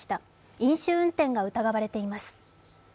飲酒運転が疑われています。